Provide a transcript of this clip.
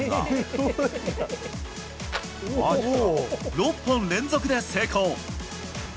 ６本連続で成功。